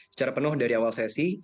secara penuh dari awal sesi